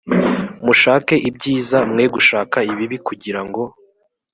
mushake ibyiza mwe gushaka ibibi kugira ngo